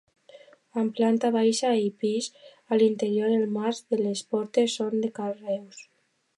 Amb planta baixa i pis, a l'interior els marcs de les portes són de carreus.